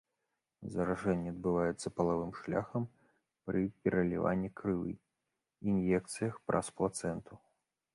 Заражэнне адбываецца палавым шляхам, пры пераліванні крыві, ін'екцыях, праз плацэнту.